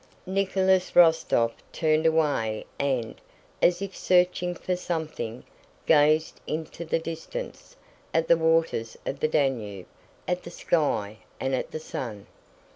Nicholas Rostóv turned away and, as if searching for something, gazed into the distance, at the waters of the Danube, at the sky, and at the sun.